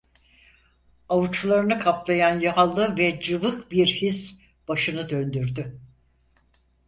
Avuçlarını kaplayan yağlı ve cıvık bir his başını döndürdü.